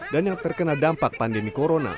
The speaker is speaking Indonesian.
dan yang terkena dampak pandemi corona